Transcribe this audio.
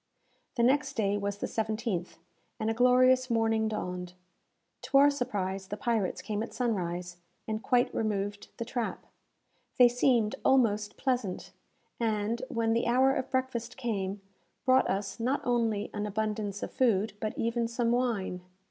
The next day was the 17th, and a glorious morning dawned. To our surprise, the pirates came at sunrise, and quite removed the trap. They seemed almost pleasant, and, when the hour of breakfast came, brought us not only an abundance of food, but even some wine.